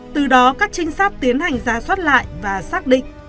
từ đó các trinh sát tiến hành ra soát lại và xác định